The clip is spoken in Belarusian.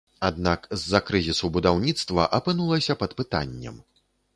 Аднак з-за крызісу будаўніцтва апынулася пад пытаннем.